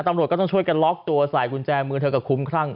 ตำรวจก็ต้องช่วยกันล็อกตัวใส่กุญแจมือเธอกับคุ้มครั่ง